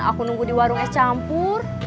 aku nunggu di warung es campur